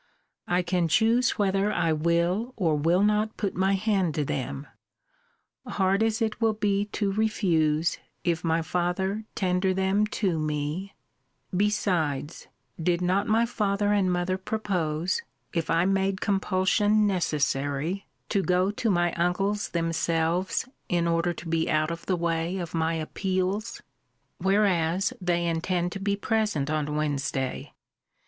I can choose whether I will or will not put my hand to them; hard as it will be to refuse if my father and mother propose, if I made compulsion necessary, to go to my uncle's themselves in order to be out of the way of my appeals? Whereas they intend to be present on Wednesday.